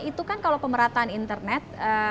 itu kan kalau pemerataan internet